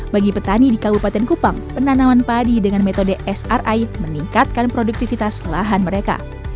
bagi petani di kabupaten kupang penanaman padi dengan metode sri meningkatkan produktivitas lahan mereka